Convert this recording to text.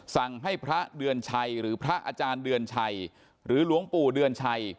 สั่งให้พระเดือนชัยหรือพระอาจารย์เดือนชัยหรือหลวงปู่เดือนชัย